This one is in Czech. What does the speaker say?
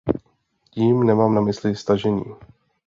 Tím nemám na mysli stažení.